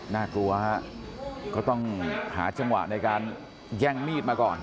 น่ากลัวฮะก็ต้องหาจังหวะในการแย่งมีดมาก่อน